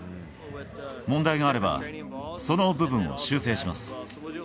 問題があれば、その部分を修正します。